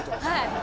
はい。